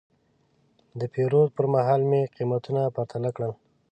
د پیرود پر مهال مې قیمتونه پرتله کړل.